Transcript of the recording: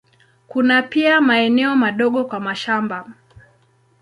Kuna pia maeneo madogo kwa mashamba.